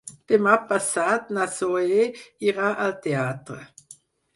Demà passat na Zoè irà al teatre.